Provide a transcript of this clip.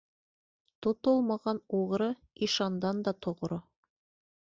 Тотолмаған уғры ишандан да тоғро.